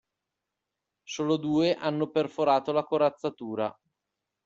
Solo due hanno perforato la corazzatura.